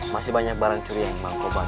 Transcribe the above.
masih banyak barang curi yang mangkuban